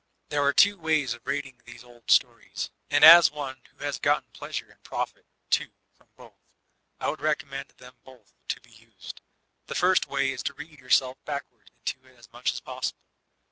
There are two ways of reading these old stories; and as one who has gotten pleasure and profit, too, from both, I would recommend them both io be used. The first way is to read yourself backward into it as much as possible.